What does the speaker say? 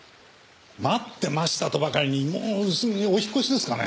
待ってましたとばかりにもうすぐにお引っ越しですかね。